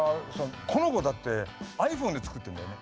この子だってｉＰｈｏｎｅで作ってるんだよね。